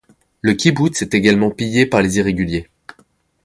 Le kibboutz est également pillé par les irréguliers.